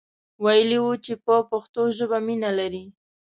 ویلی وو چې په پښتو ژبه مینه لري.